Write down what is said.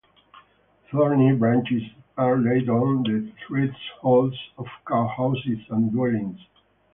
Thorny branches are laid on the thresholds of cowhouses and dwellings.